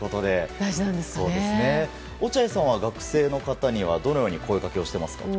落合さんは学生の方にはどのように声掛けをしていますか？